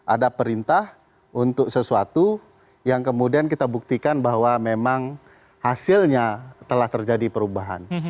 ada perintah untuk sesuatu yang kemudian kita buktikan bahwa memang hasilnya telah terjadi perubahan